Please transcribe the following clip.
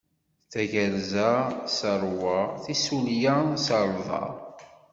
Tayerza s ṛṛwa, tissulya s ṛṛḍa.